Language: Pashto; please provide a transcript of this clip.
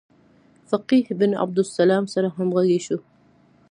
فقیه ابن عبدالسلام سره همغږي شو.